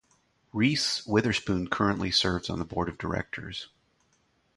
Reese Witherspoon currently serves on the Board of Directors.